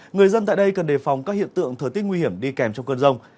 người dân tại đây cần đề phòng các hiện tượng thời tiết nguy hiểm đi kèm trong cơn rông